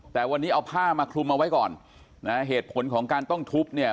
แต่วันนี้เอาผ้ามาคลุมเอาไว้ก่อนนะฮะเหตุผลของการต้องทุบเนี่ย